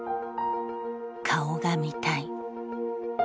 「顔が見たい」